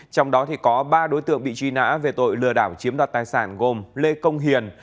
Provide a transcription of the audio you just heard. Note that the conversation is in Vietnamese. trong đó có ba đối tượng bị truy nã về tội lừa đảo chiếm đoạt tài sản gồm lê công hiền